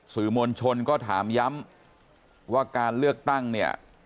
สื่อมวลชนก็ถามย้ำว่าการเลือกตั้งเนี่ย